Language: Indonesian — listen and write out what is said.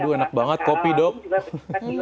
bisa melaksanakan alami juga